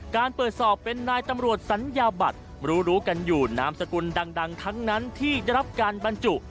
การเปิดสอบเป็นนายตำรวจสัญญาบัตรรู้รู้กันอยู่นามสกุลดังทั้งนั้นที่ได้รับการบรรจุ